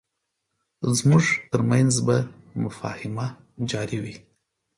زموږ ترمنځ به مفاهمه جاري وي.